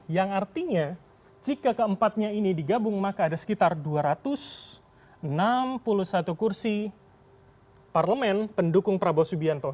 yang artinya jika keempatnya ini digabung maka ada sekitar dua ratus enam puluh satu kursi parlemen pendukung prabowo subianto